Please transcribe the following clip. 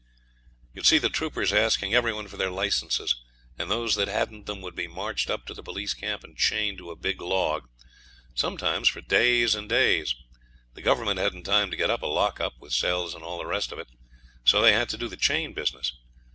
You'd see the troopers asking everybody for their licences, and those that hadn't them would be marched up to the police camp and chained to a big log, sometimes for days and days. The Government hadn't time to get up a lock up, with cells and all the rest of it, so they had to do the chain business.